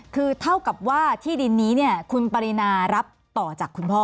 คือเท่ากับว่าที่ดินนี้คุณปรินารับต่อจากคุณพ่อ